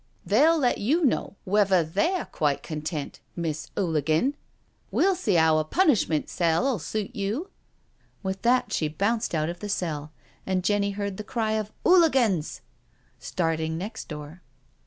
They'll let you know whether they re quite content, Miss 'Ooligan. We'll see 'ow a punishment cell'uU suit you." With that she bounced out of the cell, and Jenny heard the cry of *' 'Ooligansl" starting next door.